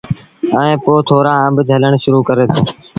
ائيٚݩ پو ٿورآ آݩب جھلڻ شرو ڪري دو۔